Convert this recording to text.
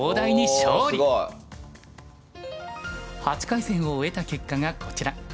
おすごい！８回戦を終えた結果がこちら。